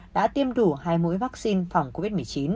đã tiêm đủ hai mũi vaccine phòng covid một mươi chín